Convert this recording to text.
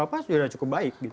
kapolda papua sudah cukup baik